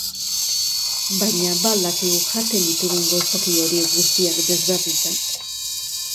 Baina, ba al dakigu jaten ditugun gozoki horiek guztiak desberdintzen?